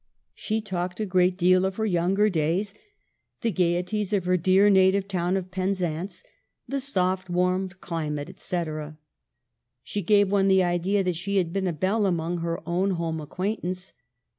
... She talked a great deal of her younger days — the gayeties of her dear native town Penzance, the soft, warm climate, &c. She gave one the idea that she had been a belle among her own home acquaintance.